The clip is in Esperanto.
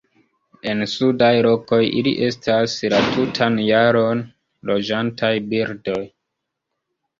En sudaj lokoj, ili estas la tutan jaron loĝantaj birdoj.